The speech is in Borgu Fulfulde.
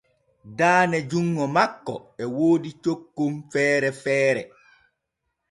Daane junŋo makko e woodi cokkon feere feere.